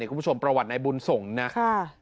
คุณผู้ชมประวัตินายบุญส่งนะครับ